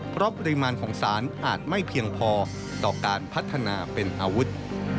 เพราะปริมาณของสารอาจไม่เพียงพอต่อการพัฒนาเป็นอาวุธ